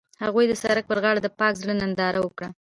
هغوی د سړک پر غاړه د پاک زړه ننداره وکړه.